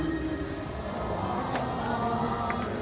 เมื่อเวลาเมื่อเวลามันกลายเป้าหมายเป้าหมายเป็นเวลาที่สุดท้าย